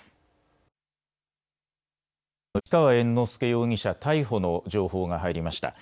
歌舞伎俳優の市川猿之助容疑者、逮捕の情報が入りました。